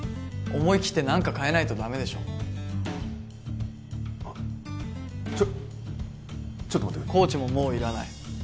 思い切って何か変えないとダメでしょあっちょっちょっと待ってくれコーチももういらない